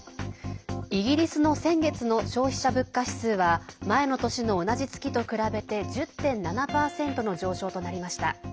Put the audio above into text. イギリスの先月の消費者物価指数は前の年の同じ月と比べて１０．７％の上昇となりました。